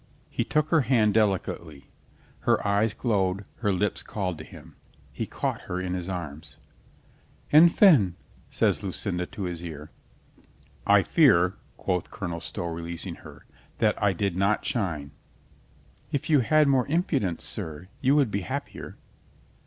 he took her hand delicately. Her eyes glowed, her lips called to him. He caught her in his arms. "Enfin" says Lucinda to his ear. "I fear," quoth Colonel Stow, releasing her, "that I did not shine." "If you had more impudence, sir, you would be happier."